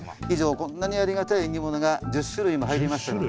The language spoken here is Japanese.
以上こんなにありがたい縁起物が１０種類も入ってます。